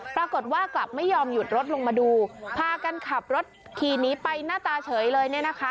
ปรากฏว่ากลับไม่ยอมหยุดรถลงมาดูพากันขับรถขี่หนีไปหน้าตาเฉยเลยเนี่ยนะคะ